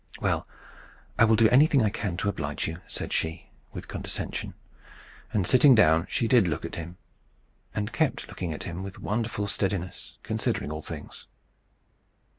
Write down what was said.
"Well, I will do anything I can to oblige you," answered she, with condescension; and, sitting down, she did look at him, and kept looking at him with wonderful steadiness, considering all things.